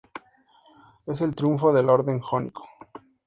Es el triunfo del orden jónico.